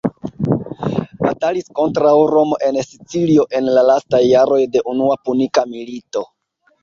Batalis kontraŭ Romo en Sicilio en la lastaj jaroj de Unua Punika Milito.